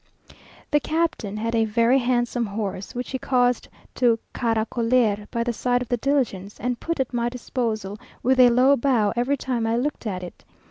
The captain had a very handsome horse, which he caused to caracolear by the side of the diligence, and put at my disposal with a low bow, every time I looked at it.